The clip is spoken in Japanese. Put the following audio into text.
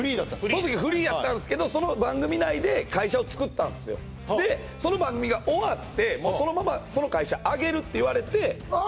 その時はフリーやったんすけどその番組内で会社をつくったでその番組が終わってそのままその会社あげるって言われてああ